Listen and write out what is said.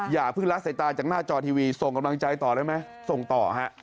อย่าเพิ่งละสายตาจากหน้าจอทีวีส่งกำลังใจต่อได้ไหมส่งต่อฮะ